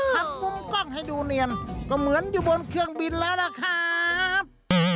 มุมกล้องให้ดูเนียนก็เหมือนอยู่บนเครื่องบินแล้วล่ะครับ